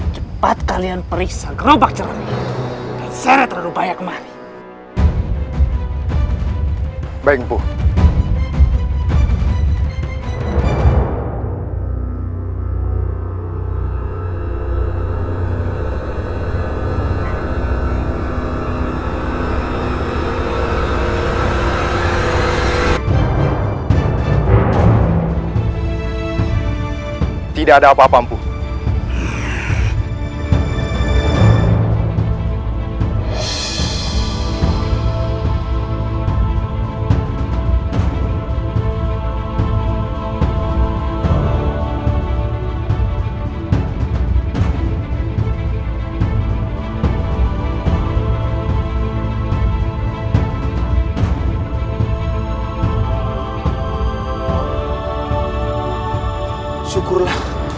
cepat kalian periksa gerobak cerahnya